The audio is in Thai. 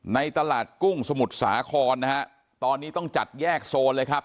ในตลาดกุ้งสมุทรสาครนะฮะตอนนี้ต้องจัดแยกโซนเลยครับ